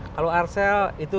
kalau arcel itu